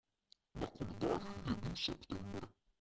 Na koledarju je bil september.